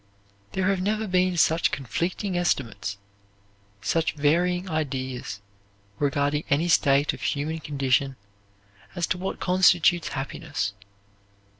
There have never been such conflicting estimates, such varying ideas, regarding any state of human condition as to what constitutes happiness.